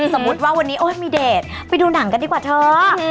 สมมุติว่าวันนี้โอ๊ยมีเดทไปดูหนังกันดีกว่าเถอะ